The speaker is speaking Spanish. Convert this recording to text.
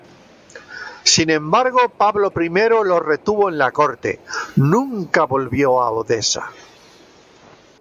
Sin embargo, Pablo I lo retuvo en la Corte, nunca volvió a Odesa.